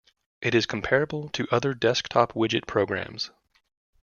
It is comparable to other desktop widget programs.